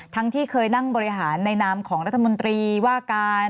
ที่เคยนั่งบริหารในนามของรัฐมนตรีว่าการ